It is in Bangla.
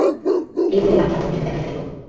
এই বলিয়া তাহাকে আপন গৃহ দেখাইয়া দিল।